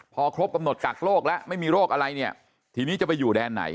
พอครบกำหนดกักโรคแล้วไม่มีโรคอะไรเนี่ยทีนี้จะไปอยู่แดนไหน